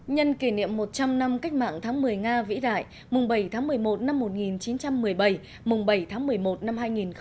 nhân kỷ niệm một trăm linh năm cách mạng tháng một mươi nga vĩ đại mùng bảy tháng một mươi một năm một nghìn chín trăm một mươi bảy mùng bảy tháng một mươi một năm hai nghìn một mươi chín